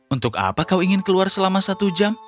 untuk apa kau ingin keluar selama satu jam